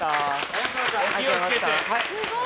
お気をつけて。